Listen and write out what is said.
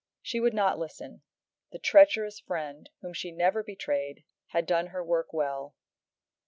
She would not listen; the treacherous friend, whom she never betrayed, had done her work well.